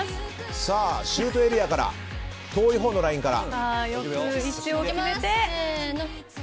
シュートエリアから遠いほうのラインから。